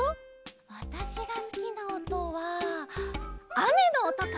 わたしがすきなおとはあめのおとかな！